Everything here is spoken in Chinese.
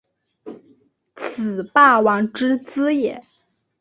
此霸王之资也。